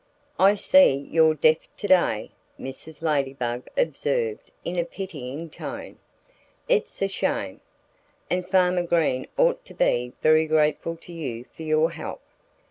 "I see you're deaf to day," Mrs. Ladybug observed in a pitying tone. "It's a shame. And Farmer Green ought to be very grateful to you for your help."